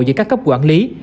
giữa các cấp quản lý